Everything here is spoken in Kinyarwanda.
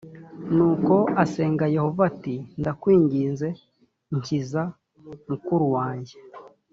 nuko asenga yehova ati ndakwinginze nkiza mukuru wanjye